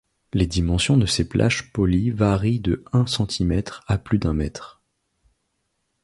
Les dimensions de ces plages polies varient de un centimètre à plus d'un mètre.